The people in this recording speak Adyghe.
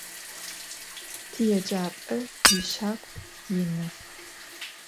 Tiêcap'e yişagu yinı.